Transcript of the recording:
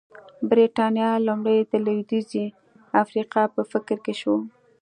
برېټانیا لومړی د لوېدیځې افریقا په فکر کې شوه.